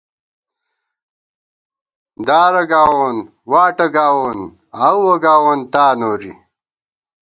دارہ گاوون واٹہ گاوون ، آؤوَہ گاوون تا نوری